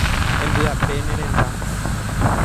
Embyape ne renda.